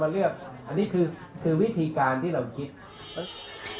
อันนี้คือคือวิธีการที่เราคิด